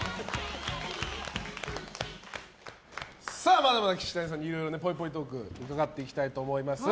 まだまだ岸谷さんにいろいろとぽいぽいトークを伺っていきたいと思います。